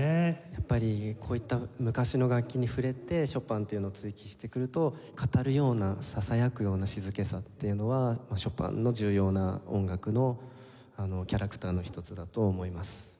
やっぱりこういった昔の楽器に触れてショパンというのを追求してくると語るようなささやくような静けさっていうのはショパンの重要な音楽のキャラクターの１つだと思います。